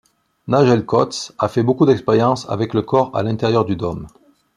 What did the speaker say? Nigel Coates a fait beaucoup d’expériences avec le corps à l’intérieur du Dôme.